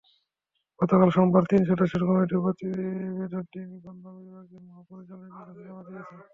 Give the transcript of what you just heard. গতকাল সোমবার তিন সদস্যের কমিটি প্রতিবেদনটি নিবন্ধন বিভাগের মহাপরিচালকের কাছে জমা দিয়েছে।